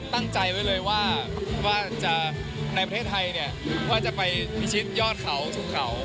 ก็ต้องมั่นใจไว้เลยว่าในประเทศไทยจะไปพิชิตยอดเขาสุขเขา